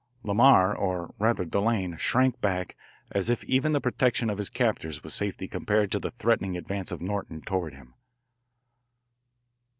Lamar, or rather Delanne, shrank back as if even the protection of his captors was safety compared to the threatening advance of Norton toward him.